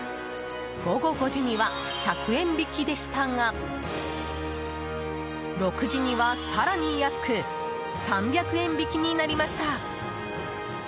午後５時には１００円引きでしたが６時には更に安く３００円引きになりました。